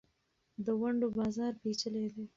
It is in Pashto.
د ونډو بازار پېچلی دی.